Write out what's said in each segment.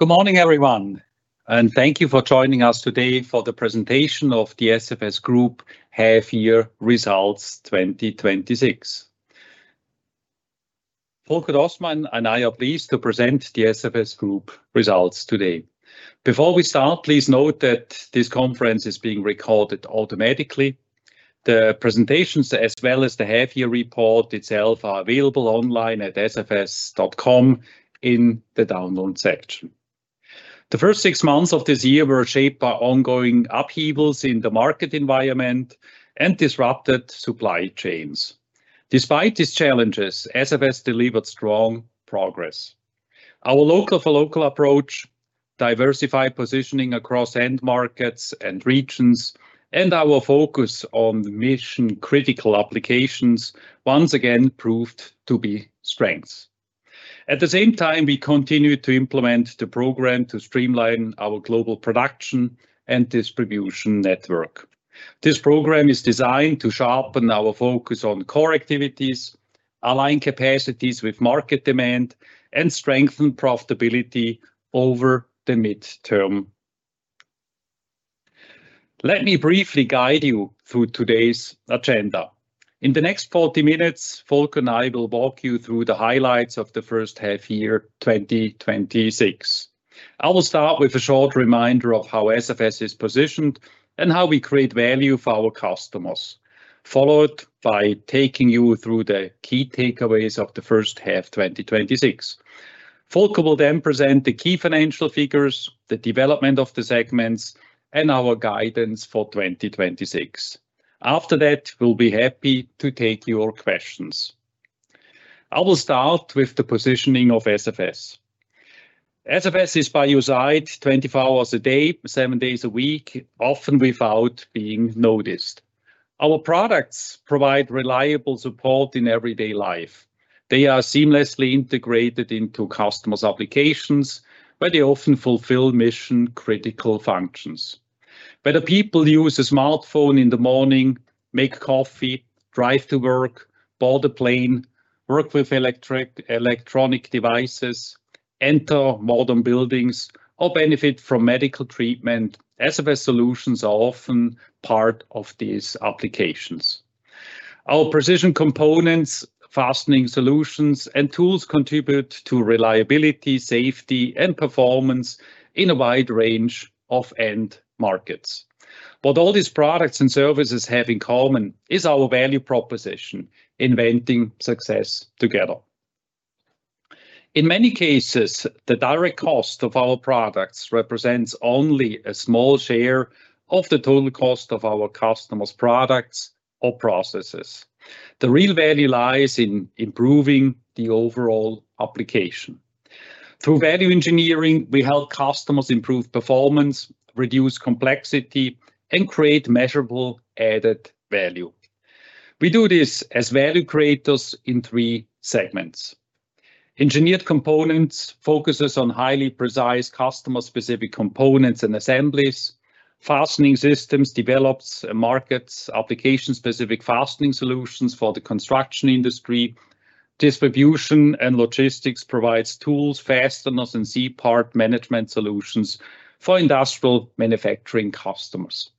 Good morning, everyone, thank you for joining us today for the presentation of the SFS Group Half-Year Results 2026. Volker Dostmann and I are pleased to present the SFS Group results today. Before we start, please note that this conference is being recorded automatically. The presentations, as well as the half-year report itself, are available online at sfs.com in the download section. The first six months of this year were shaped by ongoing upheavals in the market environment and disrupted supply chains. Despite these challenges, SFS delivered strong progress. Our local-for-local approach, diversified positioning across end markets and regions, and our focus on mission-critical applications once again proved to be strengths. At the same time, we continued to implement the program to streamline our global production and distribution network. This program is designed to sharpen our focus on core activities, align capacities with market demand, and strengthen profitability over the midterm. Let me briefly guide you through today's agenda. In the next 40 minutes, Volker and I will walk you through the highlights of the first half-year 2026. I will start with a short reminder of how SFS is positioned and how we create value for our customers, followed by taking you through the key takeaways of the first half-year 2026. Volker will present the key financial figures, the development of the segments, and our guidance for 2026. After that, we'll be happy to take your questions. I will start with the positioning of SFS. SFS is by your side 24 hours a day, seven days a week, often without being noticed. Our products provide reliable support in everyday life. They are seamlessly integrated into customers' applications, where they often fulfill mission-critical functions. Whether people use a smartphone in the morning, make coffee, drive to work, board a plane, work with electronic devices, enter modern buildings, or benefit from medical treatment, SFS solutions are often part of these applications. Our precision components, fastening solutions, and tools contribute to reliability, safety, and performance in a wide range of end markets. What all these products and services in common is our value proposition, inventing success together. In many cases, the direct cost of our products represents only a small share of the total cost of our customers' products or processes. The real value lies in improving the overall application. Through value engineering, we help customers improve performance, reduce complexity, and create measurable added value. We do this as value creators in three segments. Engineered Components focuses on highly precise customer-specific components and assemblies. Fastening Systems develops and markets application-specific fastening solutions for the construction industry. Distribution & Logistics provides tools, fasteners, and C-part management solutions for industrial manufacturing customers.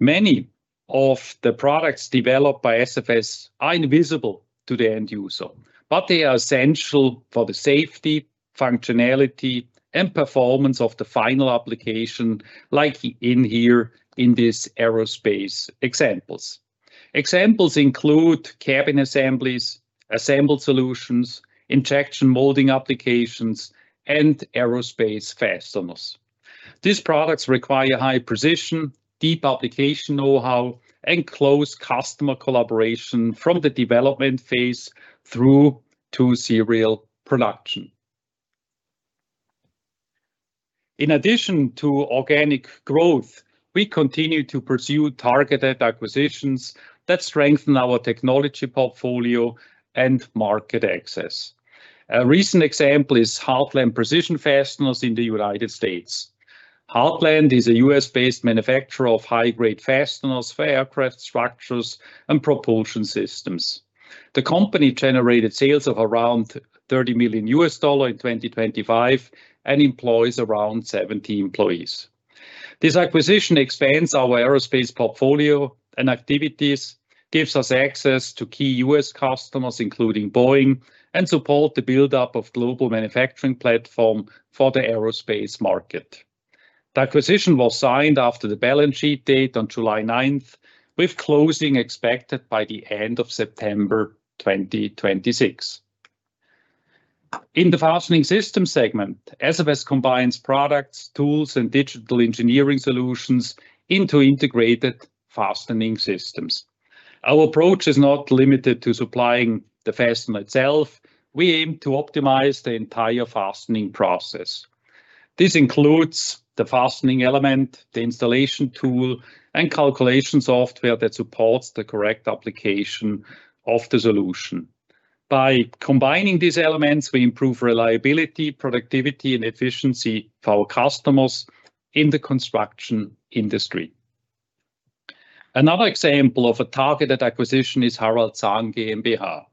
Many of the products developed by SFS are invisible to the end user, but they are essential for the safety, functionality, and performance of the final application, like in here in these aerospace examples. Examples include cabin assemblies, assembled solutions, injection molding applications, and aerospace fasteners. These products require high precision, deep application know-how, and close customer collaboration from the development phase through to serial production. In addition to organic growth, we continue to pursue targeted acquisitions that strengthen our technology portfolio and market access. A recent example is Heartland Precision Fasteners in the United States. Heartland is a U.S.-based manufacturer of high-grade fasteners for aircraft structures and propulsion systems. The company generated sales of around $30 million in 2025 and employs around 70 employees. This acquisition expands our aerospace portfolio and activities, gives us access to key U.S. customers, including Boeing, and supports the buildup of a global manufacturing platform for the aerospace market. The acquisition was signed after the balance sheet date on July 9th, with closing expected by the end of September 2026. In the Fastening Systems segment, SFS combines products, tools, and digital engineering solutions into integrated fastening systems. Our approach is not limited to supplying the fastener itself. We aim to optimize the entire fastening process. This includes the fastening element, the installation tool, and calculation software that supports the correct application of the solution. By combining these elements, we improve reliability, productivity, and efficiency for our customers in the construction industry. Another example of a targeted acquisition is Harald Zahn GmbH.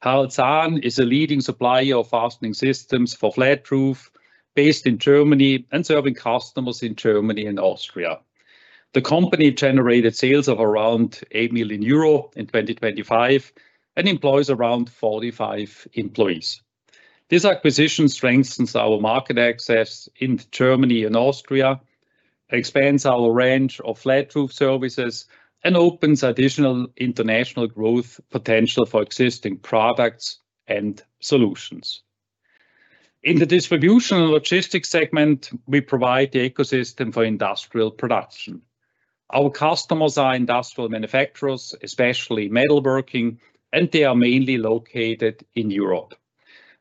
Harald Zahn is a leading supplier of fastening systems for flat roofs, based in Germany and serving customers in Germany and Austria. The company generated sales of around 8 million euro in 2025 and employs around 45 employees. This acquisition strengthens our market access into Germany and Austria, expands our range of flat roof services, and opens additional international growth potential for existing products and solutions. In the Distribution & Logistics segment, we provide the ecosystem for industrial production. Our customers are industrial manufacturers, especially metalworking, and they are mainly located in Europe.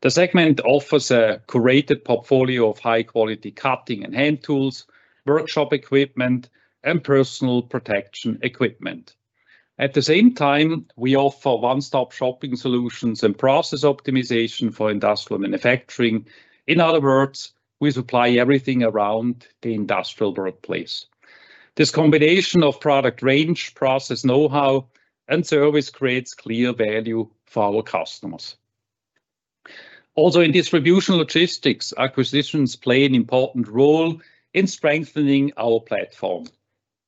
The segment offers a curated portfolio of high-quality cutting and hand tools, workshop equipment, and personal protection equipment. At the same time, we offer one-stop shopping solutions and process optimization for industrial manufacturing. In other words, we supply everything around the industrial workplace. This combination of product range, process know-how, and service creates clear value for our customers. Also, in Distribution & Logistics, acquisitions play an important role in strengthening our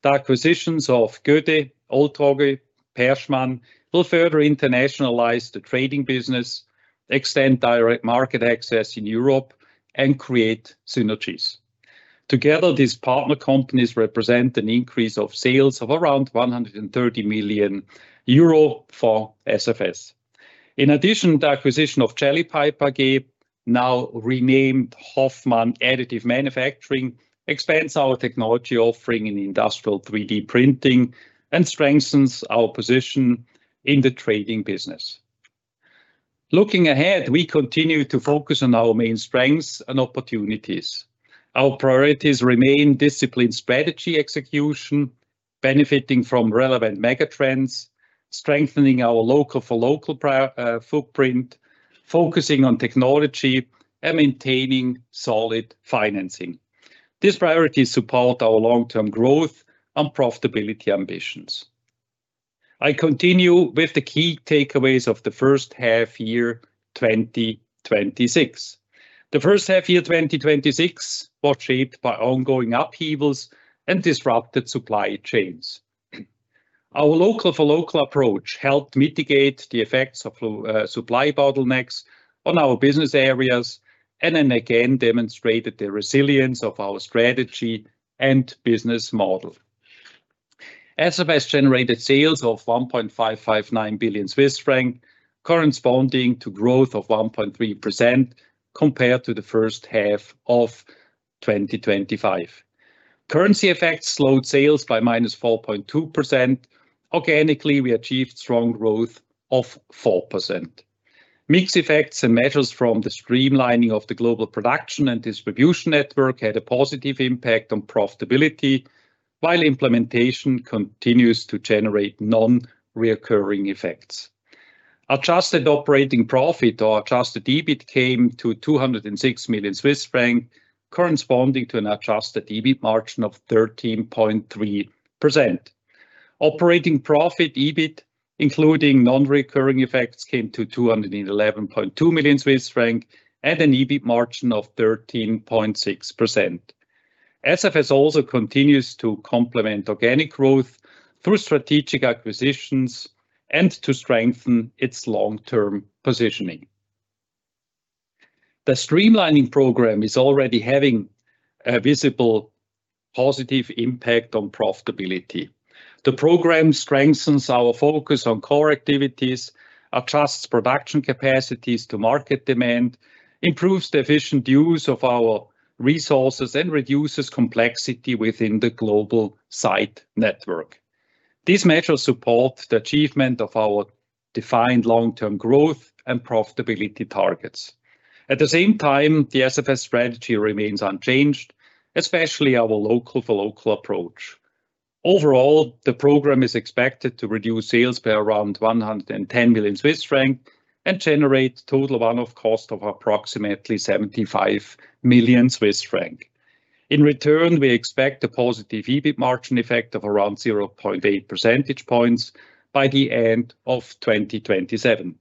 platform. The acquisitions of Gödde, Oltrogge, Perschmann will further internationalize the trading business, extend direct market access in Europe, and create synergies. Together, these partner companies represent an increase of sales of around 130 million euro for SFS. In addition, the acquisition of Jellypipe AG, now renamed Hoffmann Additive Manufacturing, expands our technology offering in industrial 3D printing and strengthens our position in the trading business. Looking ahead, we continue to focus on our main strengths and opportunities. Our priorities remain disciplined strategy execution, benefiting from relevant mega trends, strengthening our local-for-local footprint, focusing on technology, and maintaining solid financing. These priorities support our long-term growth and profitability ambitions. I continue with the key takeaways of the first half year 2026. The first half year 2026 was shaped by ongoing upheavals and disrupted supply chains. Our local-for-local approach helped mitigate the effects of supply bottlenecks on our business areas, and then again demonstrated the resilience of our strategy and business model. SFS generated sales of 1.559 billion Swiss franc, corresponding to growth of 1.3% compared to the first half of 2025. Currency effects slowed sales by -4.2%. Organically, we achieved strong growth of 4%. Mixed effects and measures from the streamlining of the global production and distribution network had a positive impact on profitability, while implementation continues to generate non-recurring effects. Adjusted operating profit or adjusted EBIT came to 206 million Swiss franc, corresponding to an adjusted EBIT margin of 13.3%. Operating profit EBIT, including non-recurring effects, came to 211.2 million Swiss franc at an EBIT margin of 13.6%. SFS also continues to complement organic growth through strategic acquisitions and to strengthen its long-term positioning. The streamlining program is already having a visible positive impact on profitability. The program strengthens our focus on core activities, adjusts production capacities to market demand, improves the efficient use of our resources, and reduces complexity within the global site network. These measures support the achievement of our defined long-term growth and profitability targets. At the same time, the SFS strategy remains unchanged, especially our local-for-local approach. Overall, the program is expected to reduce sales by around 110 million Swiss franc and generate total one-off cost of approximately 75 million Swiss franc. In return, we expect a positive EBIT margin effect of around 0.8 percentage points by the end of 2027.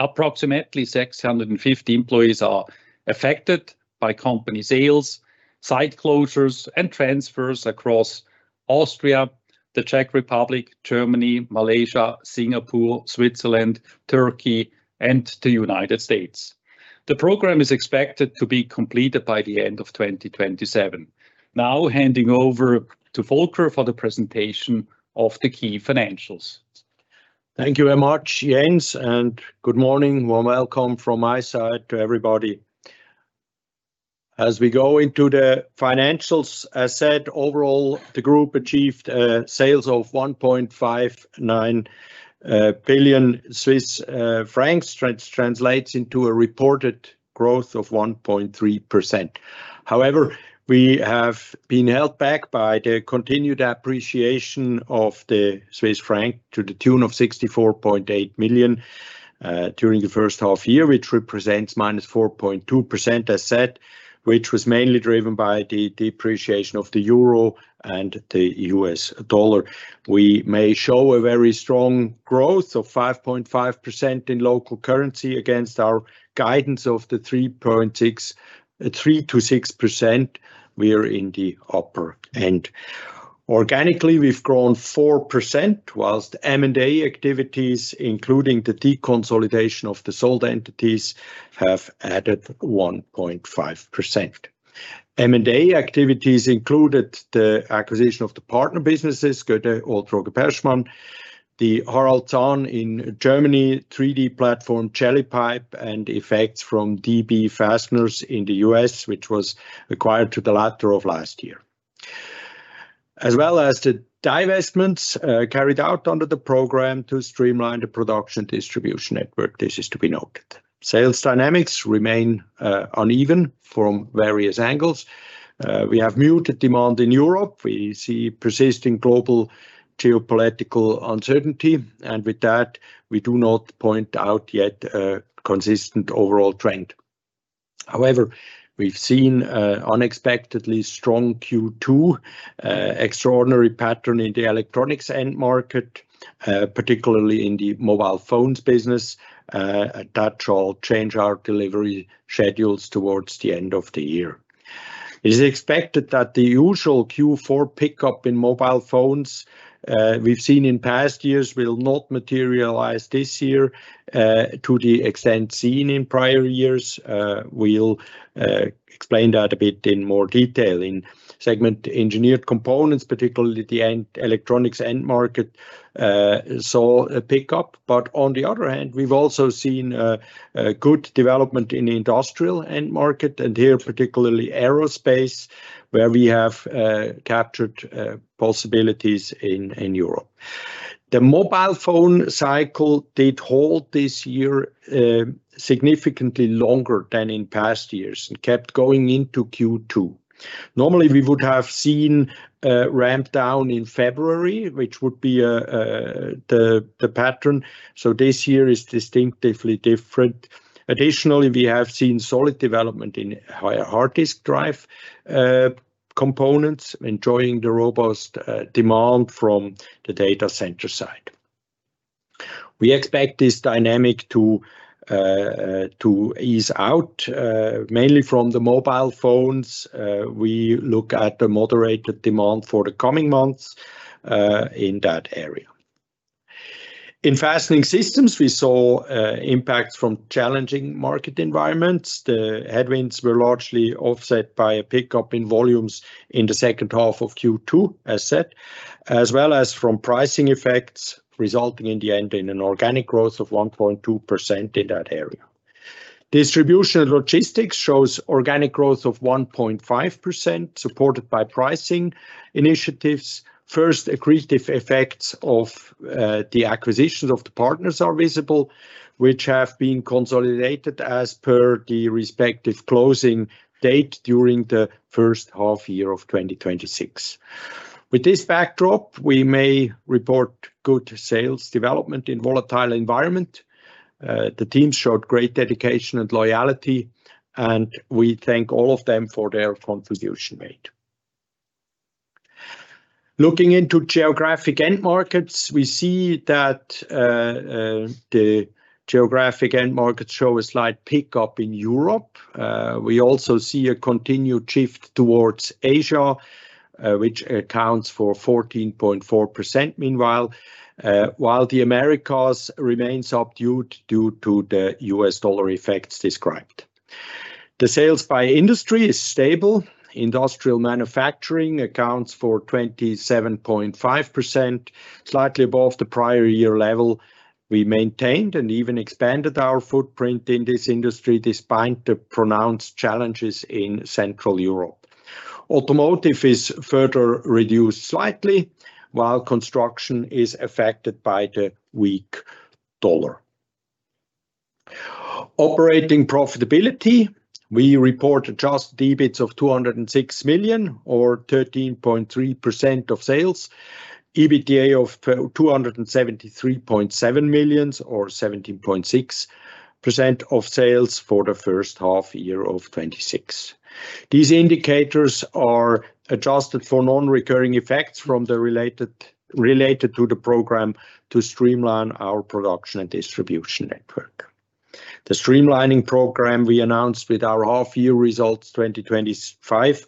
Approximately 650 employees are affected by company sales, site closures, and transfers across Austria, the Czech Republic, Germany, Malaysia, Singapore, Switzerland, Turkey, and the United State. The program is expected to be completed by the end of 2027. Now handing over to Volker for the presentation of the key financials. Thank you very much, Jens, good morning. Warm welcome from my side to everybody. As we go into the financials, as said, overall, the group achieved sales of 1.59 billion Swiss francs, which translates into a reported growth of 1.3%. However, we have been held back by the continued appreciation of the Swiss franc to the tune of 64.8 million during the first half year, which represents -4.2%, as said, which was mainly driven by the depreciation of the euro and the U.S. dollar. We may show a very strong growth of 5.5% in local currency against our guidance of the 3%-6%. We are in the upper end. Organically, we've grown 4%, whilst M&A activities, including the deconsolidation of the sold entities, have added 1.5%. M&A activities included the acquisition of the partner businesses, Gödde, Oltrogge, Perschmann, the Harald Zahn in Germany, 3D platform, Jellypipe, and effects from DB Fasteners in the U.S., which was acquired to the latter of last year. As well as the divestments carried out under the program to streamline the production distribution network. This is to be noted. Sales dynamics remain uneven from various angles. We have muted demand in Europe. We see persisting global geopolitical uncertainty, and with that, we do not point out yet a consistent overall trend. However, we've seen unexpectedly strong Q2, extraordinary pattern in the electronics end market, particularly in the mobile phones business. That shall change our delivery schedules towards the end of the year. It is expected that the usual Q4 pickup in mobile phones we've seen in past years will not materialize this year, to the extent seen in prior years. We'll explain that a bit in more detail. In segment Engineered Components, particularly the electronics end market, saw a pickup. We've also seen a good development in the industrial end market and here, particularly aerospace, where we have captured possibilities in Europe. The mobile phone cycle did hold this year significantly longer than in past years and kept going into Q2. Normally, we would have seen a ramp down in February, which would be the pattern. This year is distinctively different. Additionally, we have seen solid development in hard disk drive components, enjoying the robust demand from the data center side. We expect this dynamic to ease out, mainly from the mobile phones. We look at the moderated demand for the coming months in that area. In Fastening Systems, we saw impacts from challenging market environments. The headwinds were largely offset by a pickup in volumes in the second half of Q2, as said, as well as from pricing effects, resulting in the end in an organic growth of 1.2% in that area. Distribution & Logistics shows organic growth of 1.5%, supported by pricing initiatives. First accretive effects of the acquisitions of the partners are visible, which have been consolidated as per the respective closing date during the first half year of 2026. With this backdrop, we may report good sales development in volatile environment. The team showed great dedication and loyalty, and we thank all of them for their contribution made. Looking into geographic end markets, we see that the geographic end markets show a slight pickup in Europe. We also see a continued shift towards Asia, which accounts for 14.4% meanwhile, while the Americas remains subdued due to the U.S. dollar effects described. The sales by industry is stable. Industrial manufacturing accounts for 27.5%, slightly above the prior year level. We maintained and even expanded our footprint in this industry, despite the pronounced challenges in Central Europe. Automotive is further reduced slightly, while construction is affected by the weak U.S. dollar. Operating profitability. We report adjusted EBIT of 206 million, or 13.3% of sales, EBITDA of 273.7 million or 17.6% of sales for the first half year of 2026. These indicators are adjusted for non-recurring effects related to the program to streamline our production and distribution network. The streamlining program we announced with our half-year results 2025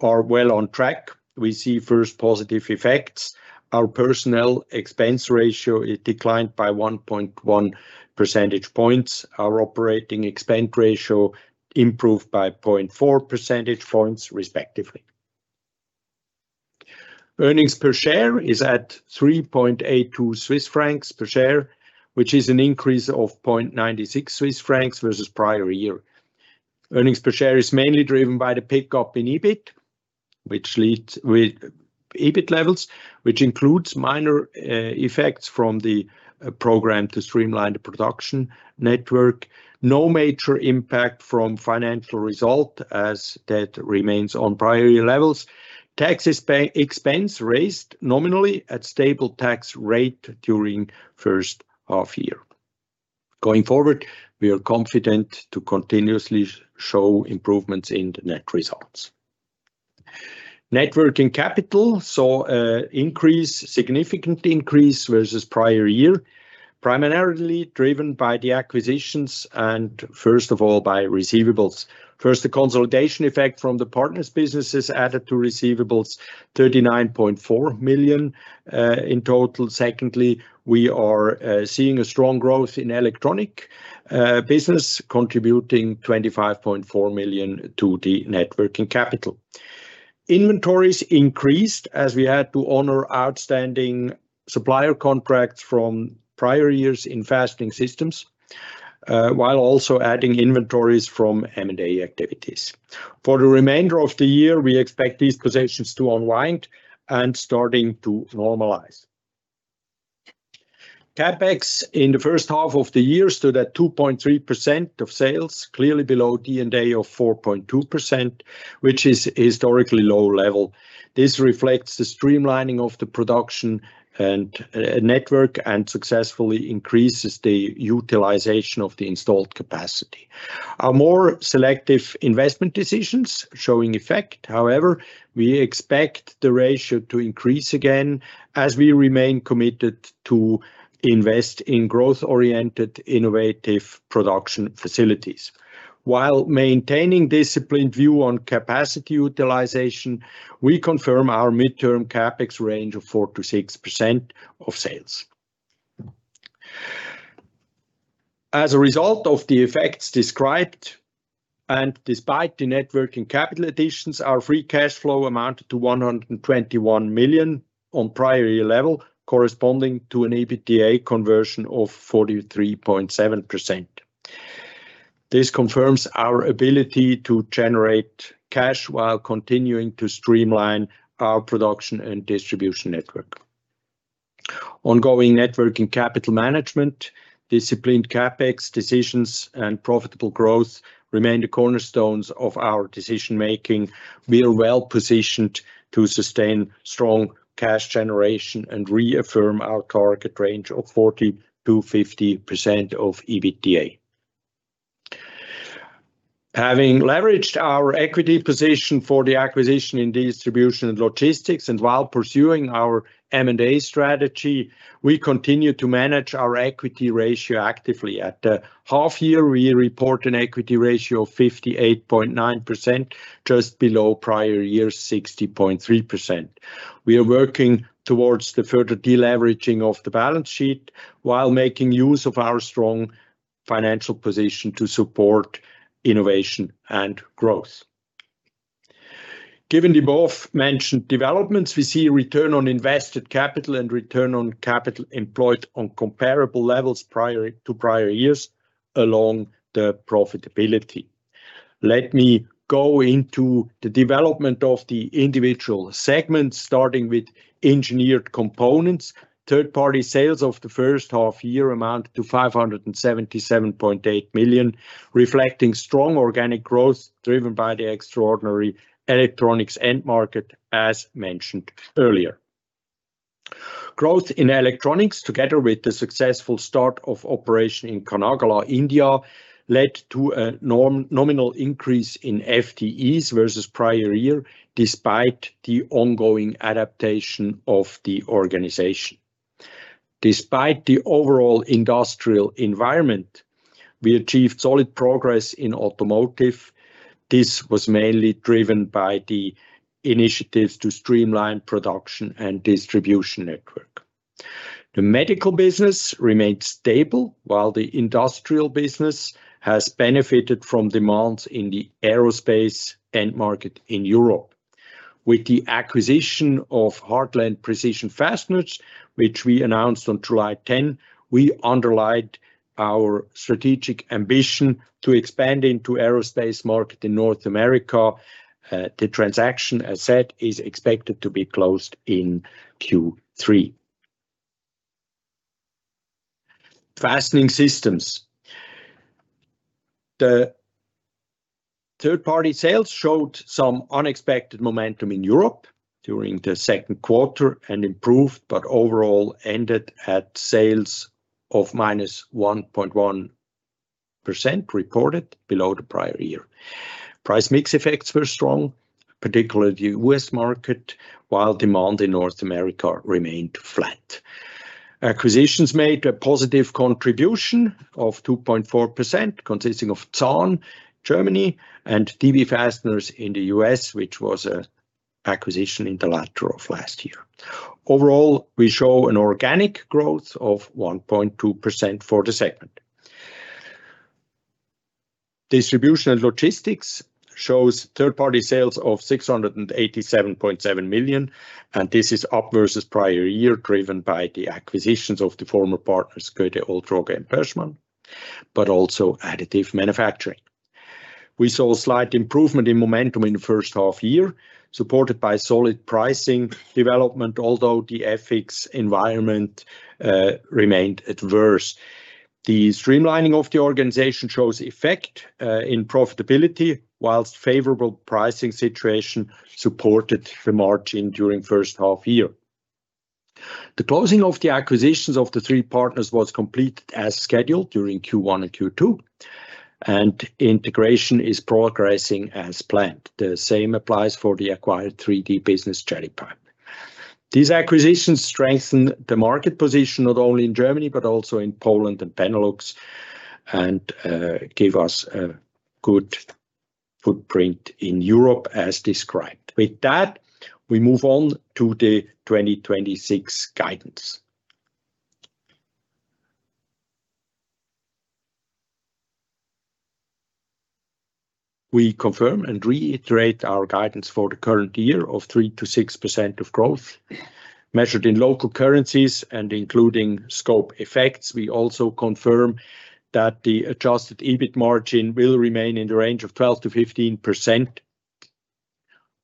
are well on track. We see first positive effects. Our personnel expense ratio declined by 1.1 percentage points. Our operating expense ratio improved by 0.4 percentage points, respectively. Earnings per share is at 3.82 Swiss francs per share, which is an increase of 0.96 Swiss francs versus prior year. Earnings per share is mainly driven by the pickup in EBIT, which leads with EBIT levels, which includes minor effects from the program to streamline the production network. No major impact from financial result as that remains on prior year levels. Tax expense raised nominally at stable tax rate during first half year. Going forward, we are confident to continuously show improvements in the net results. Net working capital saw a significant increase versus prior year, primarily driven by the acquisitions and first of all, by receivables. First, the consolidation effect from the partners businesses added to receivables 39.4 million in total. Secondly, we are seeing a strong growth in electronic business, contributing 25.4 million to the net working capital. Inventories increased as we had to honor outstanding supplier contracts from prior years in Fastening Systems, while also adding inventories from M&A activities. For the remainder of the year, we expect these positions to unwind and starting to normalize. CapEx in the first half of the year stood at 2.3% of sales, clearly below D&A of 4.2%, which is historically low level. This reflects the streamlining of the production and network and successfully increases the utilization of the installed capacity. Our more selective investment decisions showing effect. We expect the ratio to increase again as we remain committed to invest in growth-oriented, innovative production facilities. While maintaining disciplined view on capacity utilization, we confirm our midterm CapEx range of 4%-6% of sales. As a result of the effects described and despite the net working capital additions, our free cash flow amounted to 121 million on prior year level, corresponding to an EBITDA conversion of 43.7%. This confirms our ability to generate cash while continuing to streamline our production and distribution network. Ongoing net working capital management, disciplined CapEx decisions, and profitable growth remain the cornerstones of our decision-making. We are well-positioned to sustain strong cash generation and reaffirm our target range of 40%-50% of EBITDA. Having leveraged our equity position for the acquisition in Distribution & Logistics and while pursuing our M&A strategy, we continue to manage our equity ratio actively. At the half year, we report an equity ratio of 58.9%, just below prior year's 60.3%. We are working towards the further deleveraging of the balance sheet while making use of our strong financial position to support innovation and growth. Given the both mentioned developments, we see return on invested capital and return on capital employed on comparable levels to prior years along the profitability. Let me go into the development of the individual segments, starting with Engineered Components. Third-party sales of the first half year amount to 577.8 million, reflecting strong organic growth driven by the extraordinary electronics end market, as mentioned earlier. Growth in electronics, together with the successful start of operation in Kanagala, India, led to a nominal increase in FTEs versus prior year, despite the ongoing adaptation of the organization. Despite the overall industrial environment, we achieved solid progress in automotive. This was mainly driven by the initiatives to streamline production and distribution network. The medical business remained stable, while the industrial business has benefited from demands in the aerospace end market in Europe. With the acquisition of Heartland Precision Fasteners, which we announced on July 10, we underlined our strategic ambition to expand into aerospace market in North America. The transaction, as said, is expected to be closed in Q3. Fastening Systems. The third-party sales showed some unexpected momentum in Europe during the second quarter and improved, but overall ended at sales of -1.1% reported below the prior year. Price mix effects were strong, particularly the U.S. market, while demand in North America remained flat. Acquisitions made a positive contribution of 2.4%, consisting of Zahn, Germany, and TB Fasteners in the U.S., which was an acquisition in the latter of last year. Overall, we show an organic growth of 1.2% for the segment. Distribution & Logistics shows third-party sales of 687.7 million, and this is up versus prior year, driven by the acquisitions of the former partners, Gödde Oltrogge and Perschmann, but also additive manufacturing. We saw a slight improvement in momentum in the first half year, supported by solid pricing development, although the FX environment remained adverse. The streamlining of the organization shows effect in profitability, whilst favorable pricing situation supported the margin during first half year. The closing of the acquisitions of the three partners was completed as scheduled during Q1 and Q2, and integration is progressing as planned. The same applies for the acquired 3D business, Jellypipe. These acquisitions strengthen the market position, not only in Germany, but also in Poland and Benelux, and give us a good footprint in Europe as described. With that, we move on to the 2026 guidance. We confirm and reiterate our guidance for the current year of 3%-6% of growth, measured in local currencies and including scope effects. We also confirm that the adjusted EBIT margin will remain in the range of 12%-15%.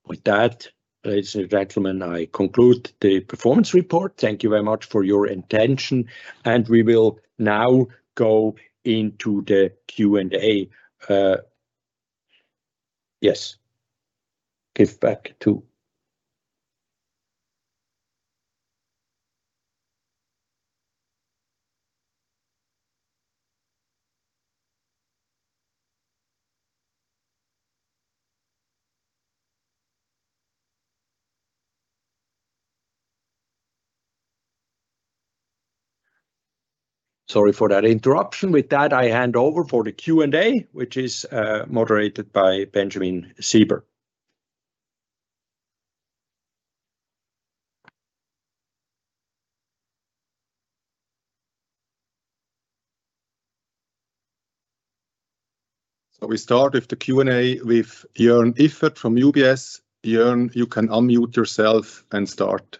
With that, ladies and gentlemen, I conclude the performance report. Thank you very much for your attention, and we will now go into the Q&A. Yes. Sorry for that interruption. With that, I hand over for the Q&A, which is moderated by Benjamin Sieber. We start with the Q&A with Jörn Iffert from UBS. Jörn, you can unmute yourself and start.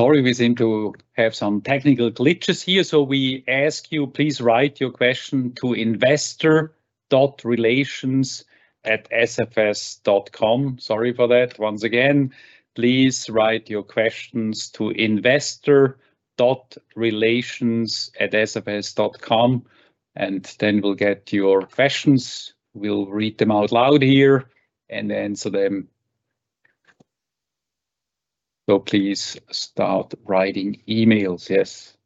Sorry, we seem to have some technical glitches here. We ask you, please write your question to investor.relations@sfs.com. Sorry for that. Once again, please write your questions to investor.relations@sfs.com, then we'll get your questions. We'll read them out loud here and answer them. Please start writing emails. Yes.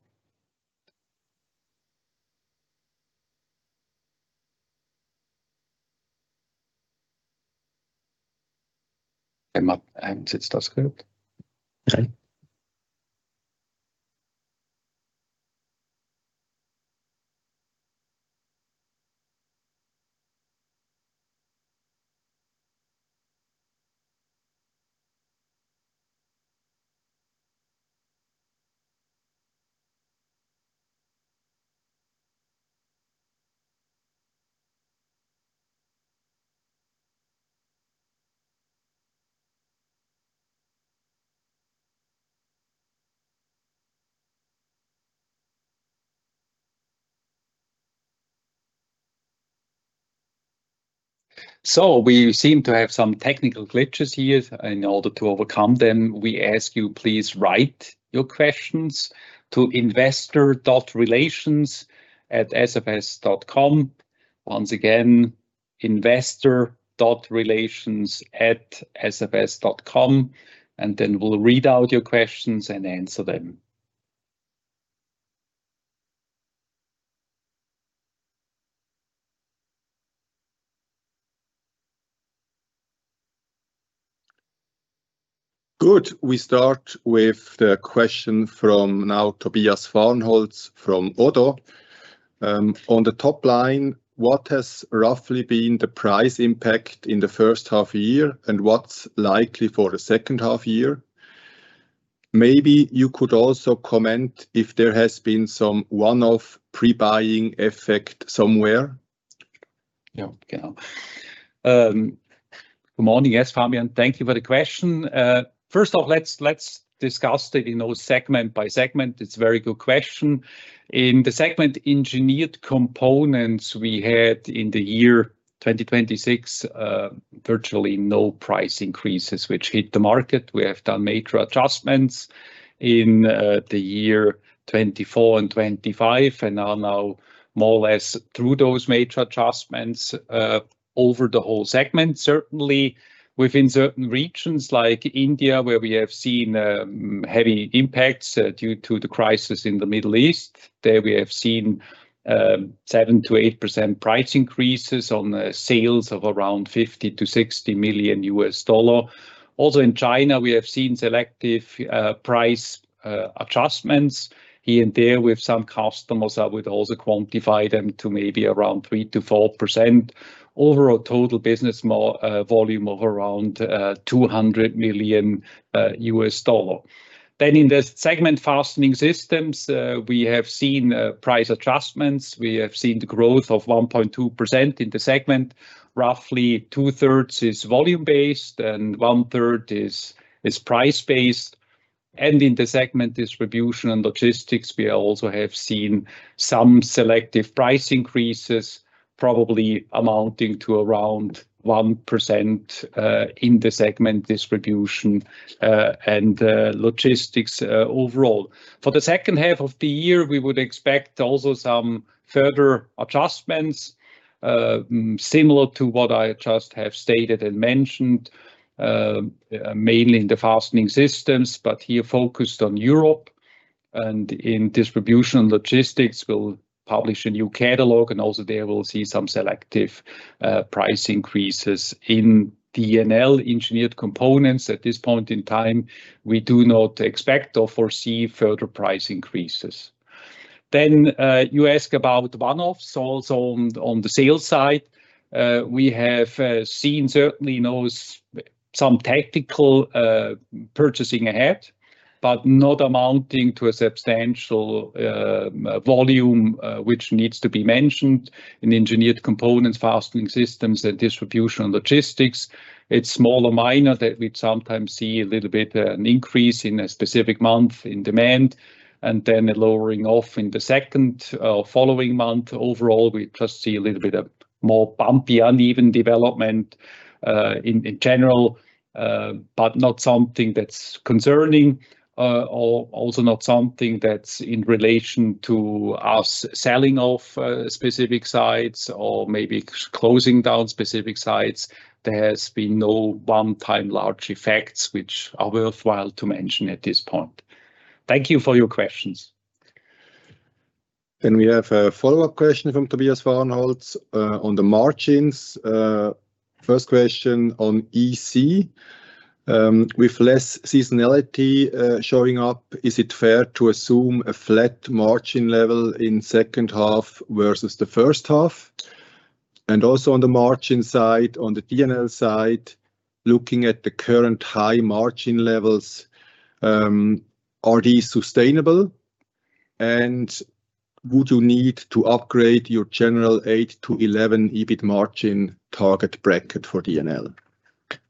We seem to have some technical glitches here. In order to overcome them, we ask you, please write your questions to investor.relations@sfs.com. Once again, investor.relations@sfs.com, then we'll read out your questions and answer them. Good. We start with the question from Tobias Fahrenholz from ODDO. On the top line, what has roughly been the price impact in the first half-year, and what's likely for the second half-year? Maybe you could also comment if there has been some one-off pre-buying effect somewhere. Yeah. Good morning. Yes, Fabian, thank you for the question. First off, let's discuss it in those segment by segment. It's a very good question. In the segment Engineered Components, we had in the year 2026, virtually no price increases which hit the market. We have done major adjustments in the year 2024 and 2025, and are now more or less through those major adjustments over the whole segment. Certainly, within certain regions like India, where we have seen heavy impacts due to the crisis in the Middle East. There we have seen 7%-8% price increases on sales of around $50 million-$60 million. Also in China, we have seen selective price adjustments here and there with some customers. I would also quantify them to maybe around 3%-4%. Overall total business volume of around $200 million. In the segment Fastening Systems, we have seen price adjustments. We have seen the growth of 1.2% in the segment. Roughly two-thirds is volume-based and one-third is price-based. In the segment Distribution & Logistics, we also have seen some selective price increases, probably amounting to around 1% in the segment Distribution & Logistics overall. For the second half-year, we would expect also some further adjustments, similar to what I just have stated and mentioned, mainly in the Fastening Systems, but here focused on Europe. In Distribution & Logistics, we'll publish a new catalog, and also there we'll see some selective price increases. In D&L Engineered Components, at this point in time, we do not expect or foresee further price increases. You ask about one-offs. Also on the sales side, we have seen certainly some tactical purchasing ahead, but not amounting to a substantial volume which needs to be mentioned in Engineered Components, Fastening Systems, and Distribution Logistics. It is small or minor that we would sometimes see a little bit an increase in a specific month in demand, and then a lowering off in the second or following month. Overall, we just see a little bit of more bumpy, uneven development in general, but not something that is concerning, or also not something that is in relation to us selling off specific sites or maybe closing down specific sites. There has been no one-time large effects which are worthwhile to mention at this point. Thank you for your questions. We have a follow-up question from Tobias Fahrenholz on the margins. First question on EC. With less seasonality showing up, is it fair to assume a flat margin level in second half versus the first half? Also on the margin side, on the D&L side, looking at the current high margin levels, are these sustainable? Would you need to upgrade your general 8-11 EBIT margin target bracket for D&L?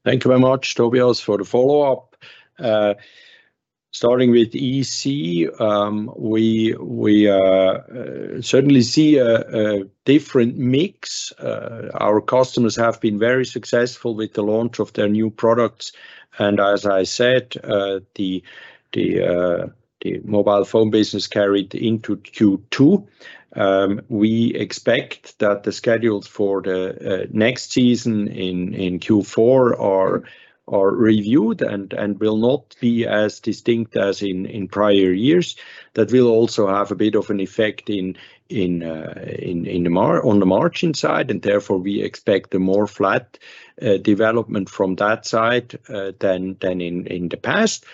Thank you very much, Tobias, for the follow-up. Starting with EC, we certainly see a different mix. Our customers have been very successful with the launch of their new products. As I said, the mobile phone business carried into Q2. We expect that the schedules for the next season in Q4 are reviewed and will not be as distinct as in prior years. That will also have a bit of an effect on the margin side and therefore we expect a more flat development from that side than in the past.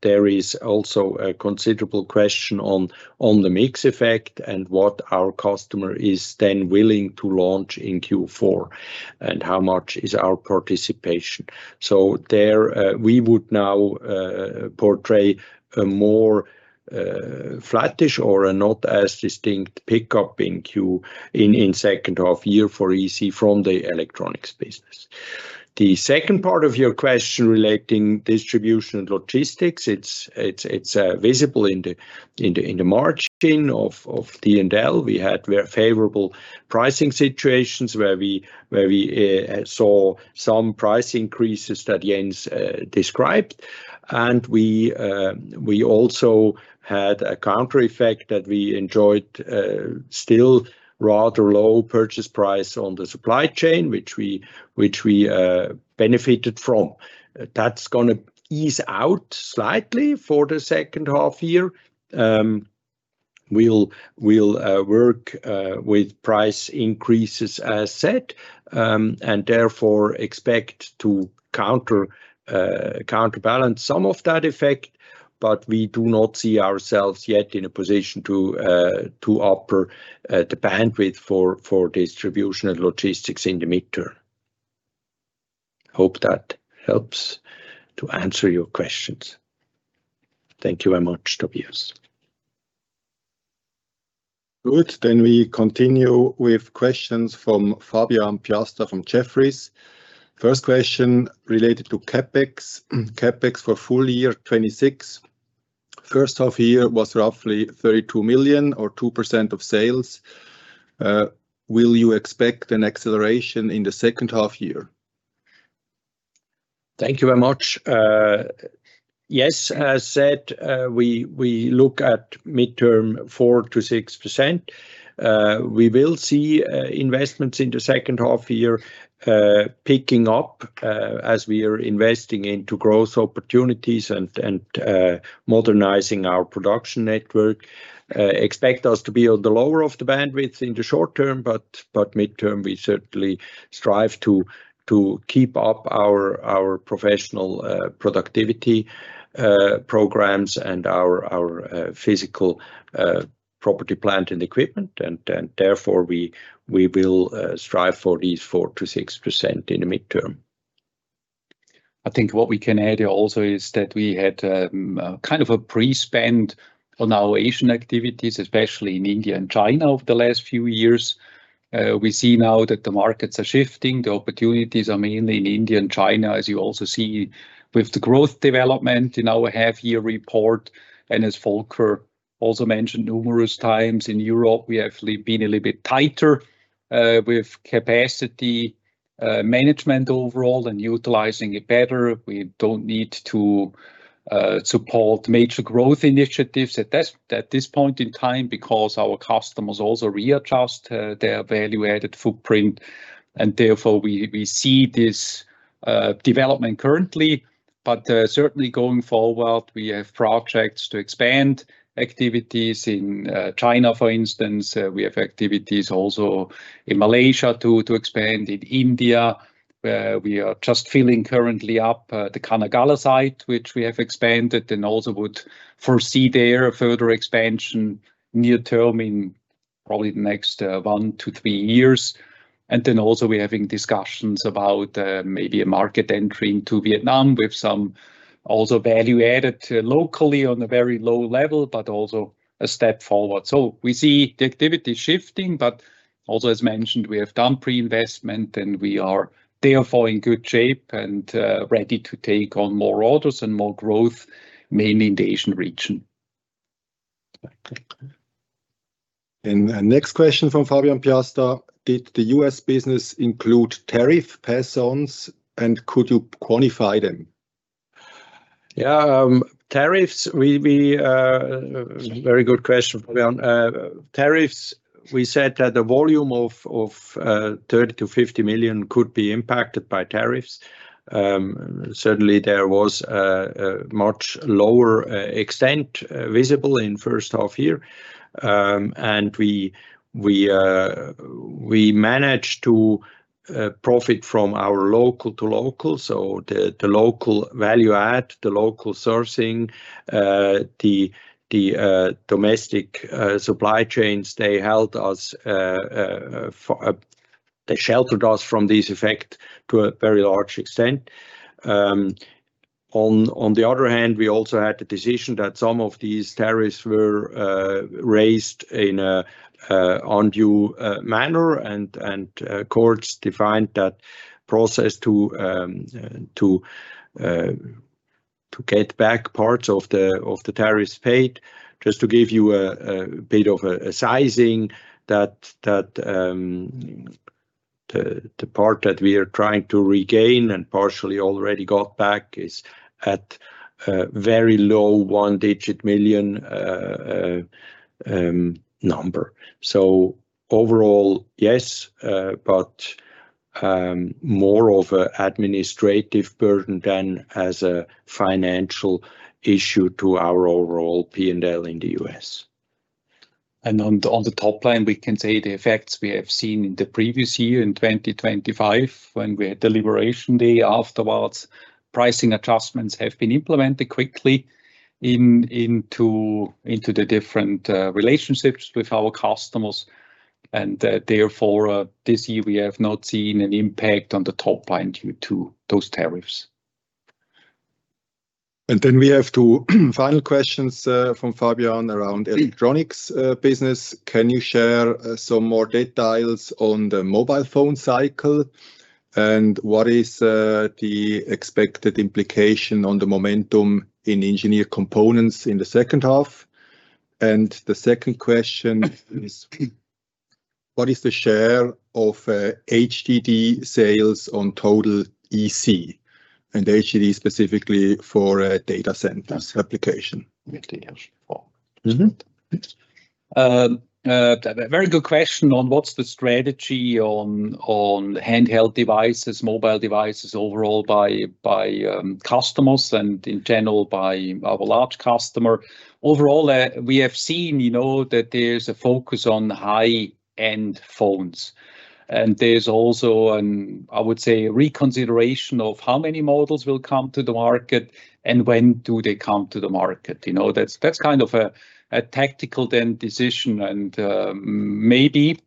There is also a considerable question on the mix effect and what our customer is then willing to launch in Q4, and how much is our participation. There, we would now portray a more flattish or a not as distinct pickup in second half-year for EC from the electronics business. The second part of your question relating Distribution and Logistics, it is visible in the margin of D&L. We had very favorable pricing situations where we saw some price increases that Jens described. We also had a counter effect that we enjoyed still rather low purchase price on the supply chain, which we benefited from. That is going to ease out slightly for the second half-year. We will work with price increases as said, and therefore expect to counterbalance some of that effect, but we do not see ourselves yet in a position to upper the bandwidth for Distribution and Logistics in the midterm. Hope that helps to answer your questions. Thank you very much, Tobias. Good. We continue with questions from Fabian Piasta from Jefferies. First question related to CapEx. CapEx for full year 2026. First half year was roughly 32 million or 2% of sales. Will you expect an acceleration in the second half year? Thank you very much. Yes, as said, we look at midterm 4%-6%. We will see investments in the second half year picking up as we are investing into growth opportunities and modernizing our production network. Expect us to be on the lower of the bandwidth in the short term, but midterm, we certainly strive to keep up our professional productivity programs and our physical property plant and equipment. Therefore, we will strive for these 4%-6% in the midterm. I think what we can add here also is that we had a pre-spend on our Asian activities, especially in India and China over the last few years. We see now that the markets are shifting. The opportunities are mainly in India and China, as you also see with the growth development in our half-year report. As Volker also mentioned numerous times, in Europe, we have been a little bit tighter with capacity management overall and utilizing it better. We don't need to support major growth initiatives at this point in time because our customers also readjust their value-added footprint, and therefore, we see this development currently. Certainly, going forward, we have projects to expand activities in China, for instance. We have activities also in Malaysia, to expand in India, where we are just filling currently up the Kanagala site, which we have expanded and also would foresee there a further expansion near-term in probably the next one to three years. Then also, we're having discussions about maybe a market entry into Vietnam. We have some also value-added locally on a very low level, but also a step forward. We see the activity shifting, but also, as mentioned, we have done pre-investment, and we are therefore in good shape and ready to take on more orders and more growth, mainly in the Asian region. Next question from Fabian Piasta: "Did the U.S. business include tariff pass-ons and could you quantify them?" Yeah. Very good question, Fabian. Tariffs, we said that the volume of 30 million-50 million could be impacted by tariffs. Certainly, there was a much lower extent visible in first half-year. We managed to profit from our local-for-local, so the local value add, the local sourcing, the domestic supply chains, they sheltered us from this effect to a very large extent. On the other hand, we also had the decision that some of these tariffs were raised in an undue manner and courts defined that process to get back parts of the tariffs paid. Just to give you a bit of a sizing, the part that we are trying to regain and partially already got back is at very low CHF one-digit million number. Overall, yes, but more of administrative burden than as a financial issue to our overall P&L in the U.S. On the top line, we can say the effects we have seen in the previous year, in 2025, when we had deliberation day afterwards, pricing adjustments have been implemented quickly into the different relationships with our customers. Therefore, this year, we have not seen an impact on the top line due to those tariffs. Then we have two final questions from Fabian around electronics business. "Can you share some more details on the mobile phone cycle? What is the expected implication on the momentum in Engineered Components in the second half?" The second question is: "What is the share of HDD sales on total EC and HDD specifically for data centers application?" Very good question on what's the strategy on handheld devices, mobile devices overall by customers and in general by our large customer. Overall, we have seen that there's a focus on high-end phones, and there's also, I would say, reconsideration of how many models will come to the market and when do they come to the market. That's kind of a tactical then decision and maybe,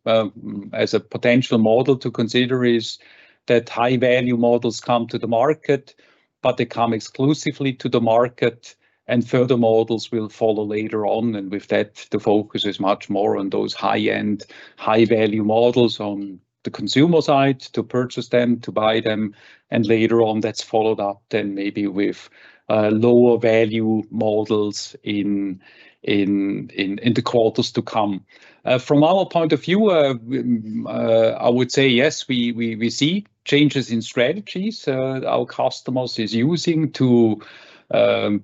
as a potential model to consider, is that high-value models come to the market, but they come exclusively to the market, and further models will follow later on. With that, the focus is much more on those high-end, high-value models on the consumer side to purchase them, to buy them, and later on, that's followed up then maybe with lower-value models in the quarters to come. From our point of view, I would say yes, we see changes in strategies our customers is using to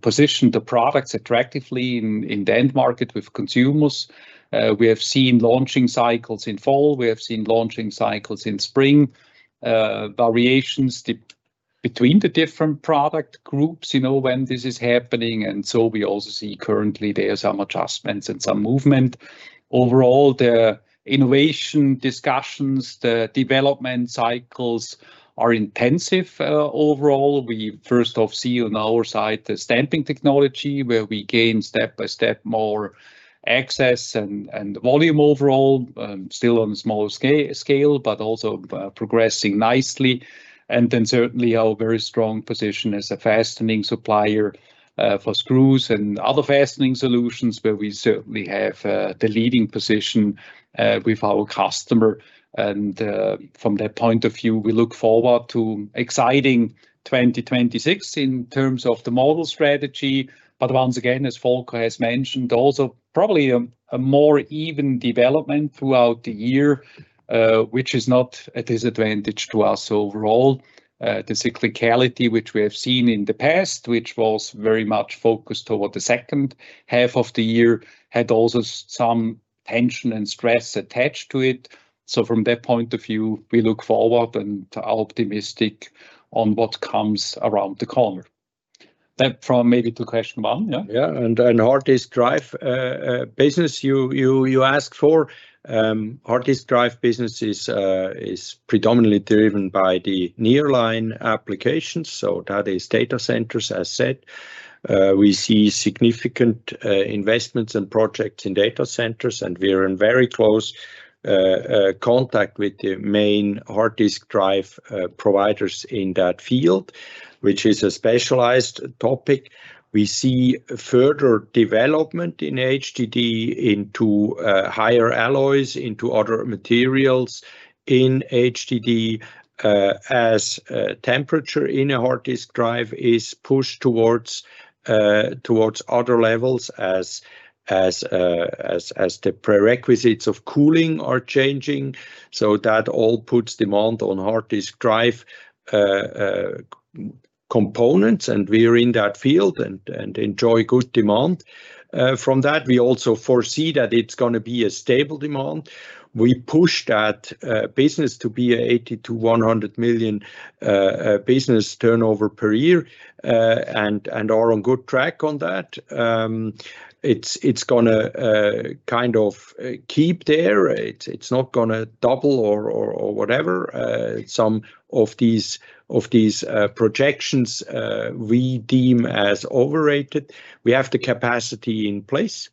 position the products attractively in the end market with consumers. We have seen launching cycles in fall, we have seen launching cycles in spring, variations between the different product groups when this is happening. We also see currently there are some adjustments and some movement. Overall, the innovation discussions, the development cycles are intensive. Overall, we first off see on our side the stamping technology where we gain step by step more access and volume overall, still on small scale, but also progressing nicely. Then certainly our very strong position as a fastening supplier for screws and other fastening solutions, where we certainly have the leading position with our customer. From that point of view, we look forward to exciting 2026 in terms of the model strategy. Once again, as Volker has mentioned also, probably a more even development throughout the year, which is not a disadvantage to us overall. The cyclicality which we have seen in the past, which was very much focused toward the second half of the year, had also some tension and stress attached to it. From that point of view, we look forward and are optimistic on what comes around the corner. From maybe to question one, yeah? Yeah, hard disk drive business you asked for. Hard disk drive business is predominantly driven by the nearline applications, so that is data centers, as said. We see significant investments and projects in data centers, and we are in very close contact with the main hard disk drive providers in that field, which is a specialized topic. We see further development in HDD into higher alloys, into other materials in HDD, as temperature in a hard disk drive is pushed towards other levels as the prerequisites of cooling are changing. That all puts demand on hard disk drive components, and we are in that field and enjoy good demand. From that, we also foresee that it's going to be a stable demand. We push that business to be a 80 million-100 million business turnover per year, and are on good track on that. It's going to kind of keep there. It's not going to double or whatever. Some of these projections we deem as overrated. We have the capacity in place.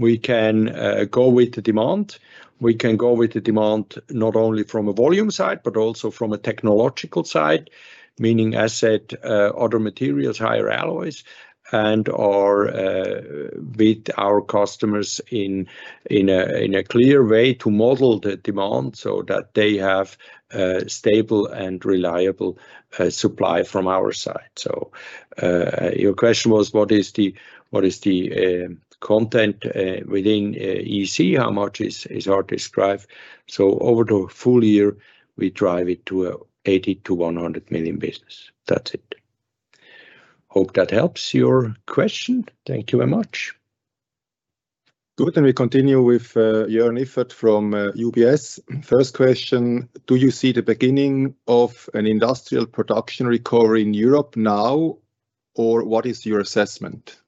We can go with the demand. We can go with the demand not only from a volume side, but also from a technological side, meaning as said, other materials, higher alloys, and are with our customers in a clear way to model the demand, so that they have a stable and reliable supply from our side. Your question was what is the content within EC, how much is hard disk drive? Over the full year, we drive it to a 80 million-100 million business. That's it. Hope that helps your question. Thank you very much. Good, we continue with Jörn Iffert from UBS. First question: Do you see the beginning of an industrial production recovery in Europe now, or what is your assessment?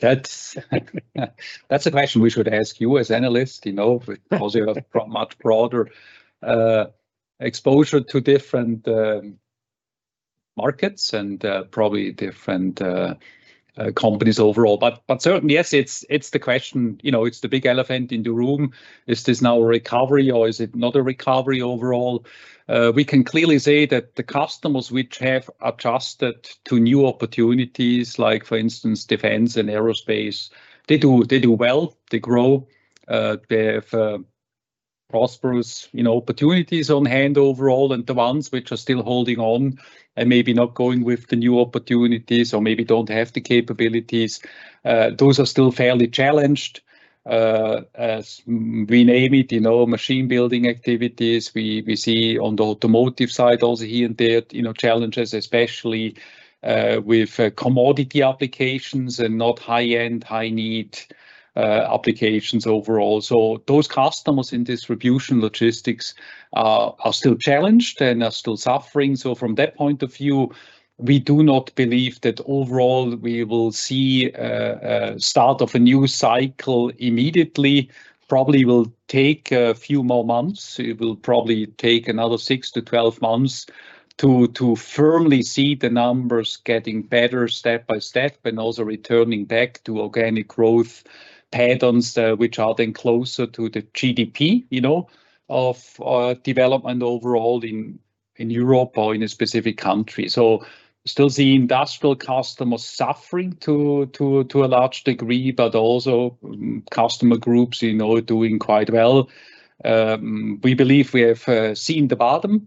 That's a question we should ask you as analyst, because you have much broader exposure to different markets and probably different companies overall. Certainly yes, it's the question, it's the big elephant in the room. Is this now a recovery or is it not a recovery overall? We can clearly say that the customers which have adjusted to new opportunities, like for instance, defense and aerospace, they do well. They grow. They have prosperous opportunities on hand overall, and the ones which are still holding on and maybe not going with the new opportunities or maybe don't have the capabilities, those are still fairly challenged, as we name it, machine building activities. We see on the automotive side also here and there, challenges especially with commodity applications and not high-end, high need applications overall. Those customers in Distribution & Logistics are still challenged and are still suffering. From that point of view, we do not believe that overall we will see a start of a new cycle immediately. Probably will take a few more months. It will probably take another 6-12 months to firmly see the numbers getting better step by step and also returning back to organic growth patterns, which are then closer to the GDP, of development overall in Europe or in a specific country. Still see industrial customers suffering to a large degree, but also customer groups doing quite well. We believe we have seen the bottom.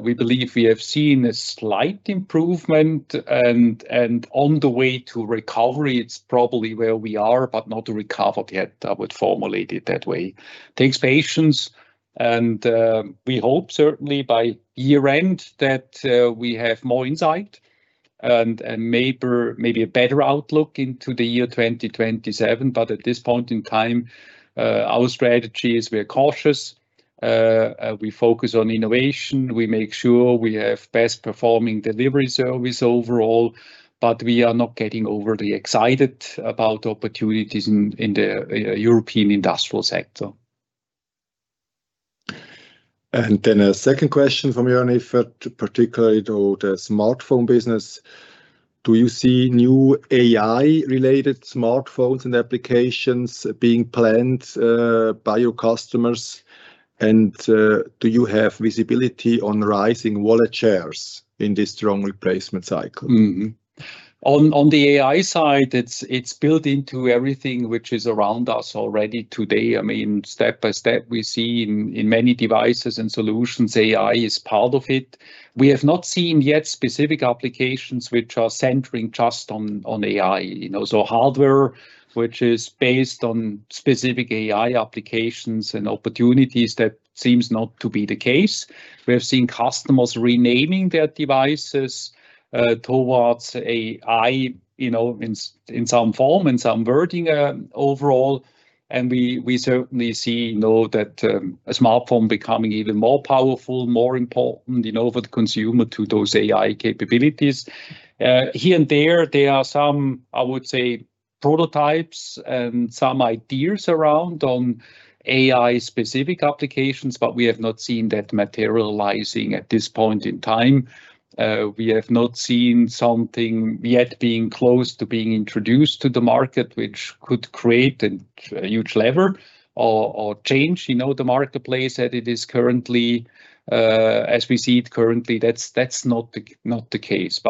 We believe we have seen a slight improvement and on the way to recovery, it's probably where we are, but not recovered yet. I would formulate it that way. Takes patience and we hope certainly by year-end that we have more insight and maybe a better outlook into the year 2027. At this point in time, our strategy is we are cautious. We focus on innovation. We make sure we have best performing delivery service overall, but we are not getting overly excited about opportunities in the European industrial sector. A second question from Jörn Iffert, particularly to the smartphone business. Do you see new AI-related smartphones and applications being planned by your customers? Do you have visibility on rising wallet shares in this strong replacement cycle? On the AI side, it's built into everything which is around us already today. I mean, step by step, we see in many devices and solutions, AI is part of it. We have not seen yet specific applications which are centering just on AI. Hardware, which is based on specific AI applications and opportunities, that seems not to be the case. We have seen customers renaming their devices, towards AI, in some form, in some wording overall. We certainly see now that a smartphone becoming even more powerful, more important, for the consumer to those AI capabilities. Here and there are some, I would say Prototypes and some ideas around on AI-specific applications, but we have not seen that materializing at this point in time. We have not seen something yet being close to being introduced to the market, which could create a huge lever or change the marketplace as we see it currently. That's not the case.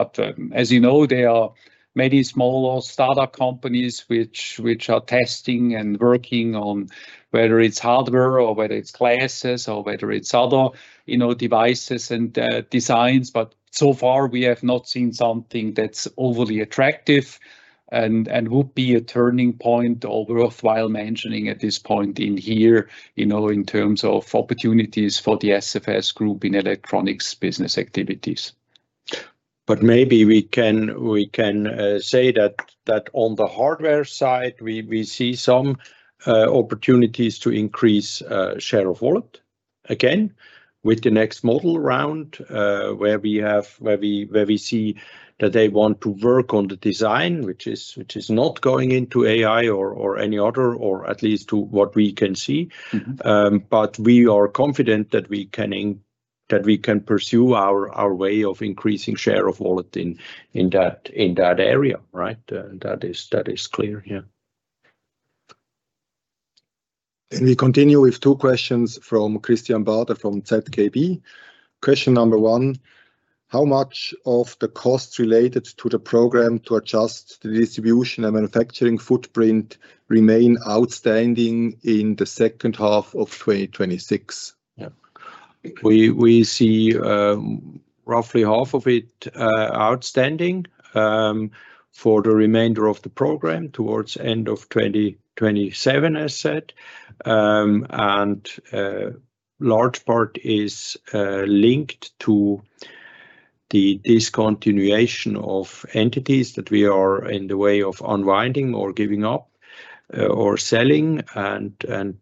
As you know, there are many small startup companies which are testing and working on whether it's hardware or whether it's glasses or whether it's other devices and designs. So far, we have not seen something that's overly attractive and would be a turning point or worthwhile mentioning at this point in here, in terms of opportunities for the SFS Group in electronics business activities. Maybe we can say that on the hardware side, we see some opportunities to increase share of wallet, again, with the next model round, where we see that they want to work on the design, which is not going into AI or any other, or at least to what we can see. We are confident that we can pursue our way of increasing share of wallet in that area, right? That is clear, yeah. We continue with two questions from Christian Bader from ZKB. Question number one, how much of the cost related to the program to adjust the distribution and manufacturing footprint remain outstanding in the second half of 2026? Yeah. We see roughly half of it outstanding for the remainder of the program towards end of 2027, as said. Large part is linked to the discontinuation of entities that we are in the way of unwinding or giving up or selling, and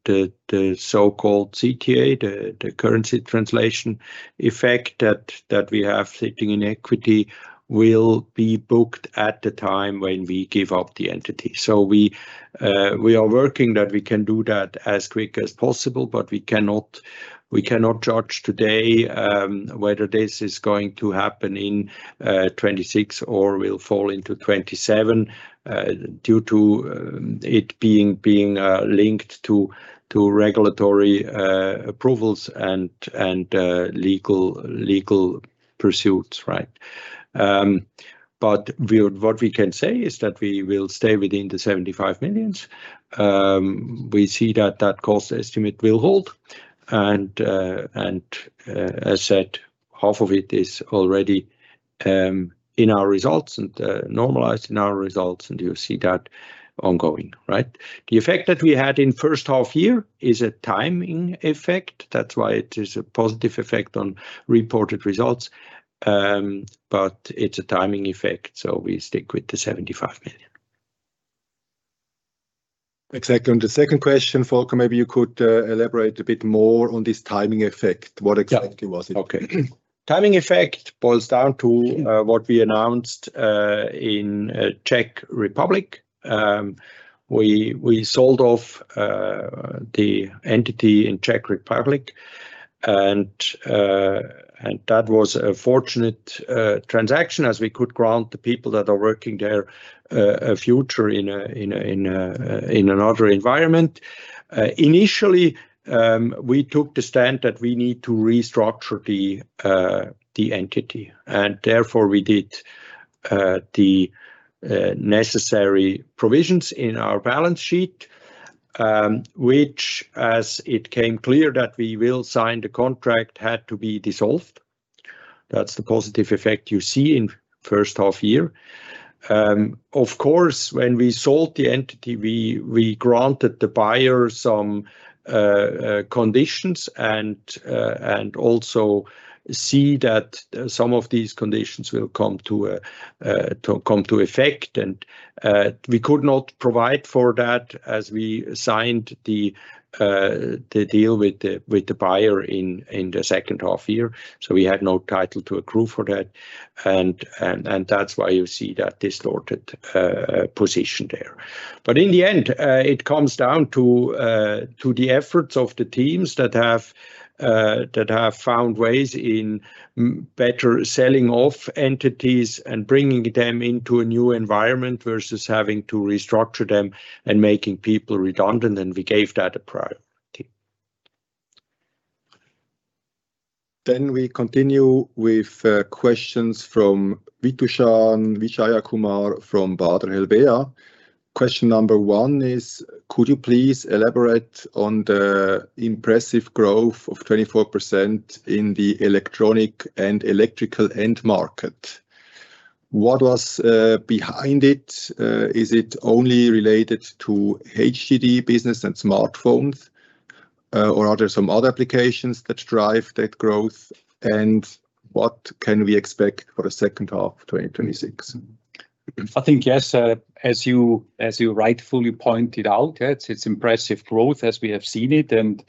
the so-called CTA, the currency translation effect that we have sitting in equity will be booked at the time when we give up the entity. We are working that we can do that as quick as possible, but we cannot judge today whether this is going to happen in 2026 or will fall into 2027, due to it being linked to regulatory approvals and legal pursuits, right? What we can say is that we will stay within the 75 million. We see that that cost estimate will hold, and as said, half of it is already in our results and normalized in our results, and you see that ongoing, right? The effect that we had in first half-year is a timing effect. That's why it is a positive effect on reported results. It's a timing effect, we stick with the 75 million. Exactly. The second question, Volker, maybe you could elaborate a bit more on this timing effect. What exactly was it? Yeah. Okay. Timing effect boils down to what we announced in Czech Republic. We sold off the entity in Czech Republic, that was a fortunate transaction as we could grant the people that are working there a future in another environment. Initially, we took the stand that we need to restructure the entity, therefore, we did the necessary provisions in our balance sheet, which, as it came clear that we will sign the contract, had to be dissolved. That's the positive effect you see in first half year. Of course, when we sold the entity, we granted the buyer some conditions also see that some of these conditions will come to effect, we could not provide for that as we signed the deal with the buyer in the second half year. We had no title to accrue for that's why you see that distorted position there. In the end, it comes down to the efforts of the teams that have found ways in better selling off entities and bringing them into a new environment versus having to restructure them making people redundant, we gave that a priority. We continue with questions from Vitushan Vijayakumar from Baader Helvea. Question number one is, could you please elaborate on the impressive growth of 24% in the electronic and electrical end market? What was behind it? Is it only related to HDD business and smartphones, or are there some other applications that drive that growth? What can we expect for the second half of 2026? I think, yes, as you rightfully pointed out, it's impressive growth as we have seen it, and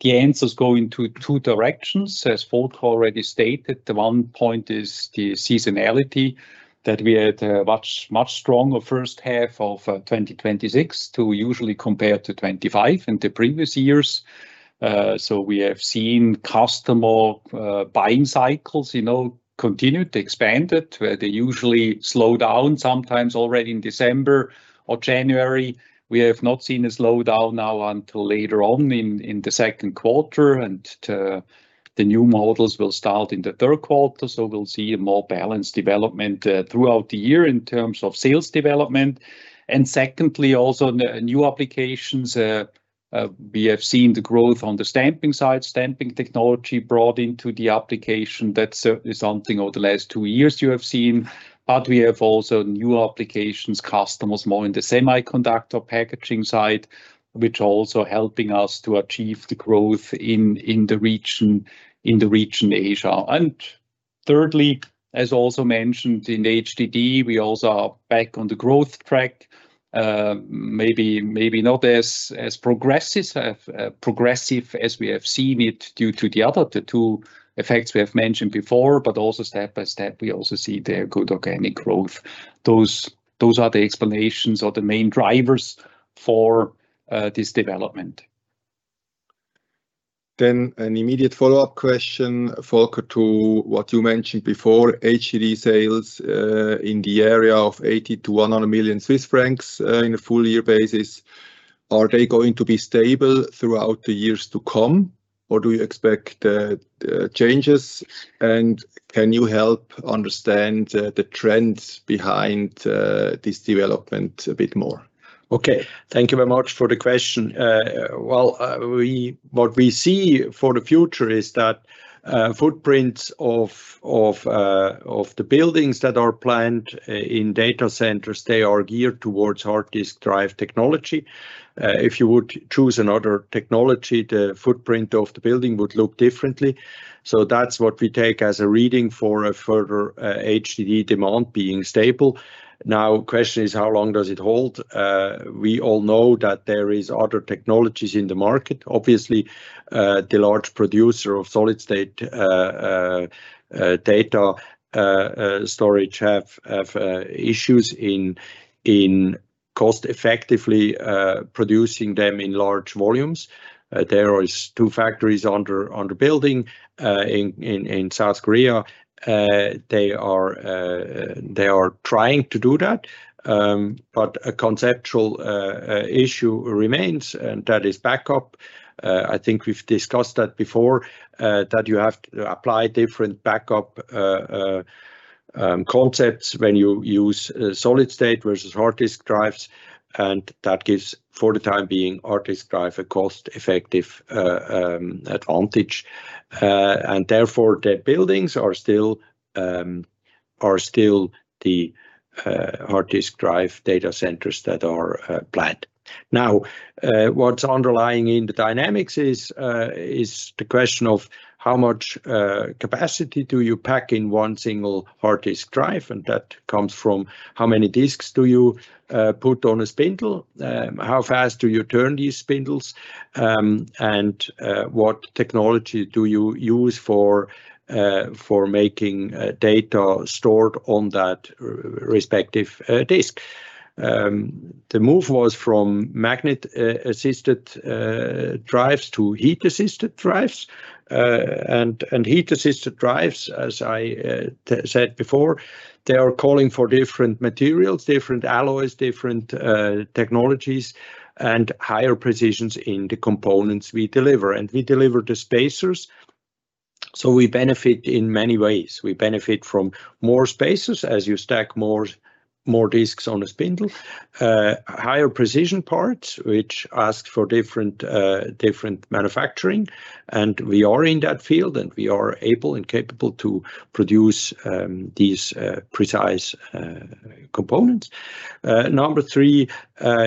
the answers go into two directions. As Volker already stated, the one point is the seasonality that we had a much stronger first half of 2026 to usually compare to 2025 and the previous years. We have seen customer buying cycles continue to expand, where they usually slow down sometimes already in December or January. We have not seen a slowdown now until later on in the second quarter, and the new models will start in the third quarter, so we'll see a more balanced development throughout the year in terms of sales development. Secondly, also the new applications, we have seen the growth on the stamping side, stamping technology brought into the application. That's certainly something over the last two years you have seen. We have also new applications, customers more in the semiconductor packaging side, which also helping us to achieve the growth in the region Asia. Thirdly, as also mentioned, in HDD, we also are back on the growth track. Maybe not as progressive as we have seen it due to the other two effects we have mentioned before, but also step by step, we also see the good organic growth. Those are the explanations or the main drivers for this development. An immediate follow-up question, Volker, to what you mentioned before, HDD sales in the area of 80 million-100 million Swiss francs in a full year basis. Are they going to be stable throughout the years to come, or do you expect changes, and can you help understand the trends behind this development a bit more? Okay. Thank you very much for the question. Well, what we see for the future is that footprints of the buildings that are planned in data centers, they are geared towards hard disk drive technology. If you would choose another technology, the footprint of the building would look differently. That's what we take as a reading for a further HDD demand being stable. Now, question is, how long does it hold? We all know that there is other technologies in the market. Obviously, the large producer of solid-state data storage have issues in cost effectively producing them in large volumes. There is two factories under building in South Korea. They are trying to do that, but a conceptual issue remains, and that is backup. I think we've discussed that before, that you have to apply different backup concepts when you use solid-state versus hard disk drives, and that gives, for the time being, hard disk drive a cost-effective advantage. Therefore, the buildings are still the hard disk drive data centers that are planned. What's underlying in the dynamics is the question of how much capacity do you pack in one single hard disk drive, that comes from how many disks do you put on a spindle, how fast do you turn these spindles, and what technology do you use for making data stored on that respective disk. The move was from magnet-assisted drives to heat-assisted drives. Heat-assisted drives, as I said before, they are calling for different materials, different alloys, different technologies, and higher precisions in the components we deliver. We deliver the spacers, so we benefit in many ways. We benefit from more spacers as you stack more disks on a spindle. Higher precision parts, which ask for different manufacturing, we are in that field, we are able and capable to produce these precise components. Number three,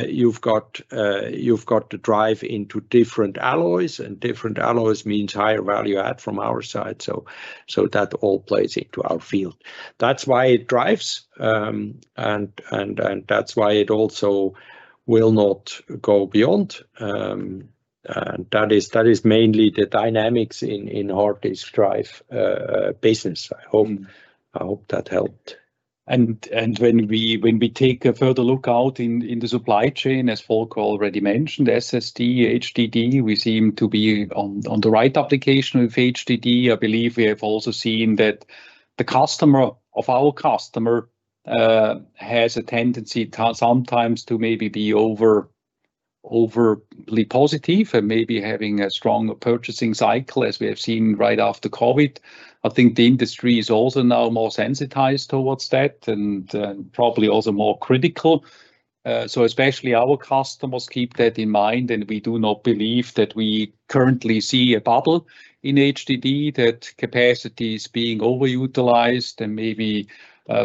you've got to drive into different alloys, different alloys means higher value add from our side. That all plays into our field. That's why it drives, that's why it also will not go beyond. That is mainly the dynamics in hard disk drive business. I hope that helped. When we take a further look out in the supply chain, as Volker already mentioned, SSD, HDD, we seem to be on the right application with HDD. I believe we have also seen that the customer of our customer has a tendency sometimes to maybe be overly positive and maybe having a stronger purchasing cycle, as we have seen right after COVID. I think the industry is also now more sensitized towards that and probably also more critical. Especially our customers keep that in mind, we do not believe that we currently see a bubble in HDD, that capacity is being overutilized and maybe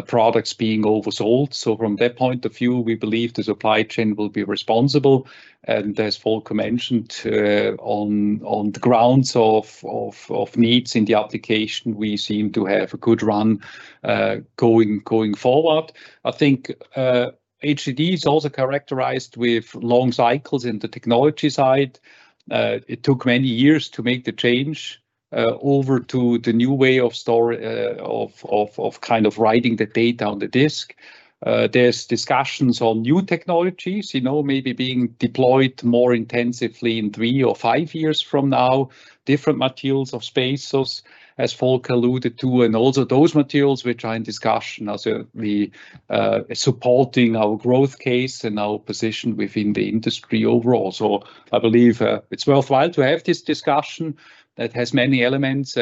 products being oversold. From that point of view, we believe the supply chain will be responsible, as Volker mentioned, on the grounds of needs in the application, we seem to have a good run going forward. I think HDD is also characterized with long cycles in the technology side. It took many years to make the change over to the new way of writing the data on the disk. There's discussions on new technologies, maybe being deployed more intensively in three or five years from now. Different materials of spacers, as Volker alluded to, also those materials we're trying discussion as we supporting our growth case and our position within the industry overall. I believe it's worthwhile to have this discussion that has many elements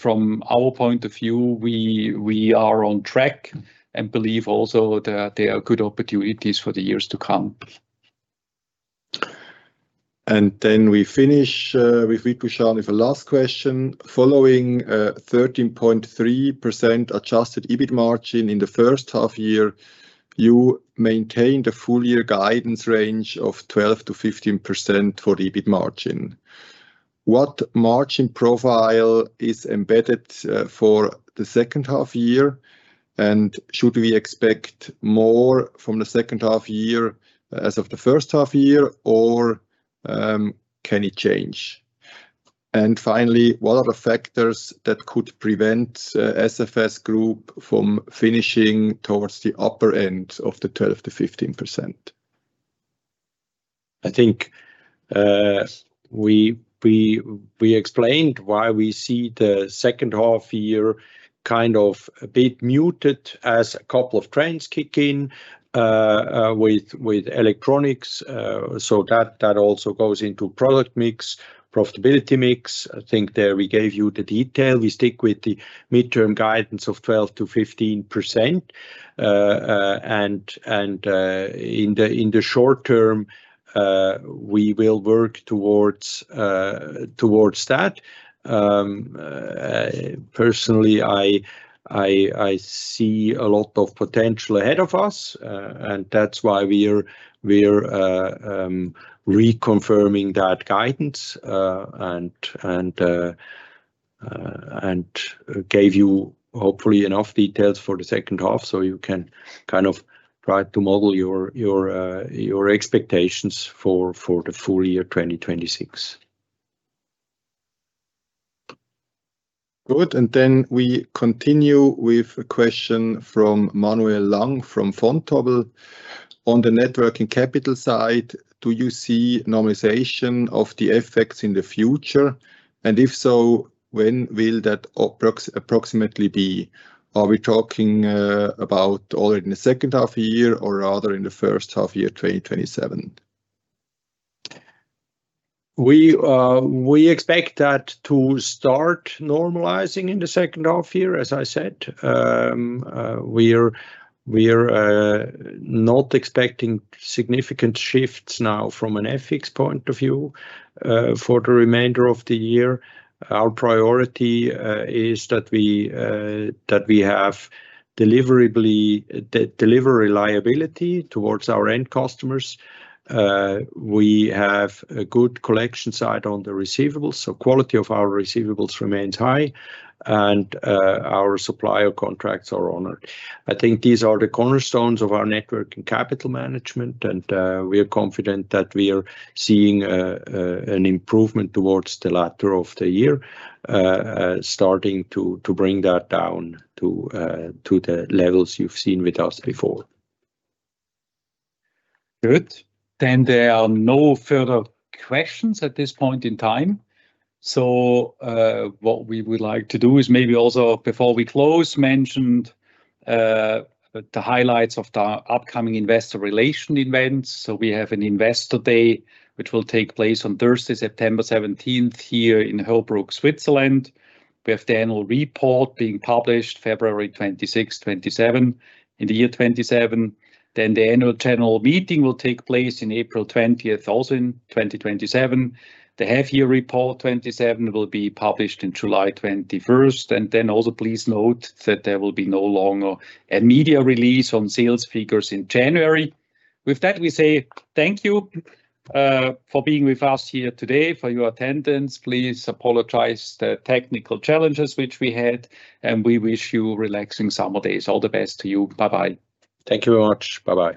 from our point of view, we are on track believe also that there are good opportunities for the years to come. We finish with Vikash with the last question. Following 13.3% adjusted EBIT margin in the first half, you maintained a full year guidance range of 12%-15% for EBIT margin. What margin profile is embedded for the second half? Should we expect more from the second half as of the first half, or can it change? Finally, what are the factors that could prevent SFS Group from finishing towards the upper end of the 12%-15%? I think we explained why we see the second half a bit muted as a couple of trends kick in with electronics. That also goes into product mix, profitability mix. I think there we gave you the detail. We stick with the midterm guidance of 12%-15%, and in the short term, we will work towards that. Personally, I see a lot of potential ahead of us. That's why we are reconfirming that guidance, and gave you hopefully enough details for the second half so you can try to model your expectations for the full year 2026. Good. We continue with a question from Manuel Lang from Vontobel. On the net working capital side, do you see normalization of the FX in the future? If so, when will that approximately be? Are we talking about already in the second half or rather in the first half 2027? We expect that to start normalizing in the second half, as I said. We are not expecting significant shifts now from an FX point of view for the remainder of the year. Our priority is that we have delivery reliability towards our end customers. We have a good collection side on the receivables, quality of our receivables remains high, and our supplier contracts are honored. I think these are the cornerstones of our net working capital management. We are confident that we are seeing an improvement towards the latter of the year, starting to bring that down to the levels you've seen with us before. Good. There are no further questions at this point in time. What we would like to do is maybe also before we close, mention the highlights of the upcoming Investor Relations events. We have an Investor Day, which will take place on Thursday, September 17th here in Heerbrugg, Switzerland. We have the annual report being published February 26-27 in the year 2027. The annual general meeting will take place in April 20th, also in 2027. The half-year report 2027 will be published in July 21st. Also please note that there will be no longer a media release on sales figures in January. With that, we say thank you for being with us here today, for your attendance. Please apologize the technical challenges which we had, and we wish you relaxing summer days. All the best to you. Bye bye. Thank you very much. Bye bye.